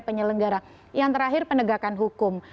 penyelenggara yang terakhir penegakan hukum